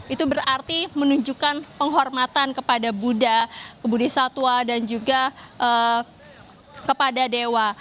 itu berarti menunjukkan penghormatan kepada buddha kebudi satwa dan juga kepada dewa